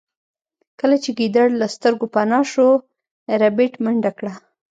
کله چې ګیدړ له سترګو پناه شو ربیټ منډه کړه